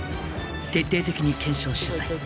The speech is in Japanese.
徹底的に検証取材。